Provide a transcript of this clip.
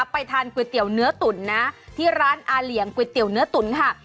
ไปทานก๋วยเตี๋ยวเนื้อตุ๋นนะที่ร้านอาเหลียงก๋วยเตี๋ยวเนื้อตุ๋นค่ะ